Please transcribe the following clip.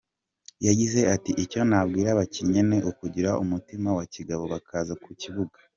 Yagize ati “Icyo nabwira abakinnyi ni ukugira umutima wa kigabo bakaza ku kibuga.